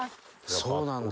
そうなんだ。